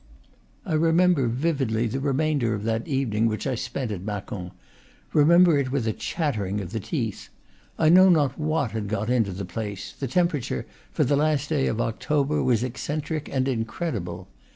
I remember vividly the remainder of that evening which I spent at Macon, remember it with a chatter ing of the teeth. I know not what had got into the place; the temperature, for the last day of October, was eccentric and incredible.